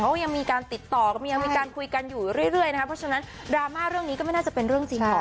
เขายังมีการติดต่อก็ยังมีการคุยกันอยู่เรื่อยนะครับเพราะฉะนั้นดราม่าเรื่องนี้ก็ไม่น่าจะเป็นเรื่องจริงหรอก